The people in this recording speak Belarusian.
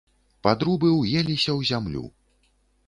Падрубы ўеліся ў зямлю.